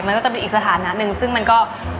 มันก็จะเป็นอีกสถานะหนึ่งซึ่งมันก็